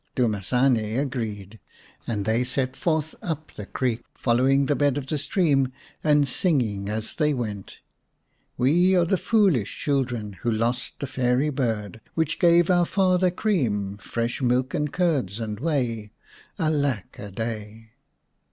Dumasane agreed, and they set forth up the creek, following the bed of the stream and singing as they went :" We are the foolish children, Who lost the fairy bird Which gave our father cream, Fresh milk, and curds and whey. Alack a day."